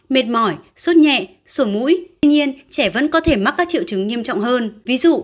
mệt mỏi suốt nhẹ xuồng mũi tuy nhiên trẻ vẫn có thể mắc các triệu chứng nghiêm trọng hơn ví dụ